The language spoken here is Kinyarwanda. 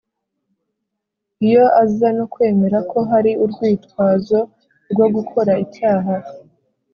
Iyo aza no kwemera ko hari urwitwazo rwo gukora icyaha